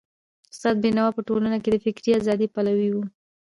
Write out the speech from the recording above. استاد بينوا په ټولنه کي د فکري ازادۍ پلوی و.